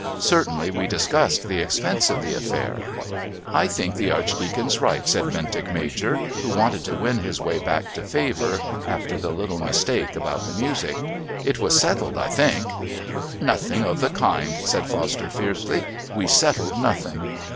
Certainly we discussed the expense of the affair." "I think the Archdeacon's right," said Bentinck Major, who wanted to win his way back to favour after the little mistake about the music. "It was settled, I think." "Nothing of the kind," said Foster fiercely. "We settled nothing."